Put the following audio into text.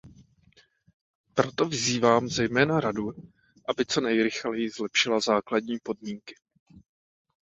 Proto vyzývám zejména Radu, aby co nejrychleji zlepšila základní podmínky.